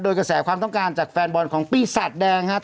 โดยกระแสความต้องการจากแฟนบอลของปีศาจแดงครับ